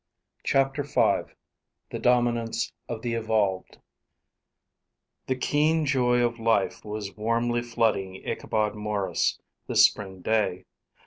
CHAPTER V THE DOMINANCE OF THE EVOLVED The keen joy of life was warmly flooding Ichabod Maurice this spring day.